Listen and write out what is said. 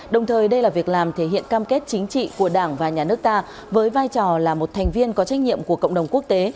đồng thời đây là việc làm thể hiện cam kết chính trị của đảng và nhà nước ta với vai trò là một thành viên có trách nhiệm của cộng đồng quốc tế